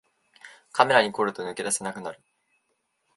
カメラに凝ると抜け出せなくなる